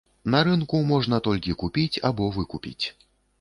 На рынку можна толькі купіць або выкупіць.